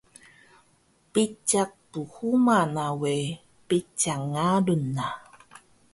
Biciq pnhuma na we, biciq ngalun na